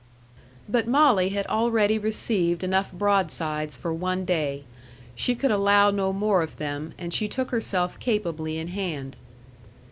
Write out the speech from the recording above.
But Molly had already received enough broadsides for one day. She could allow no more of them, and she took herself capably in hand.